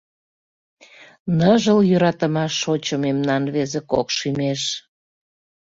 Ныжыл йӧратымаш шочо Мемнан рвезе кок шӱмеш.